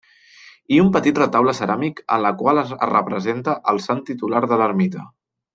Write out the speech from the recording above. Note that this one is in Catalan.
I un petit retaule ceràmic en la qual es representa al sant titular de l'ermita.